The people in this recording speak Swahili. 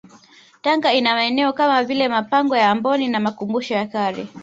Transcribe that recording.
Tanga ina maeneo kama vile mapango ya Amboni na makumbusho ya kale